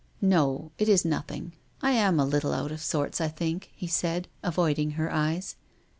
" No ; it is nothing. I am a little out of sorts, I think," he said, avoiding her eyes.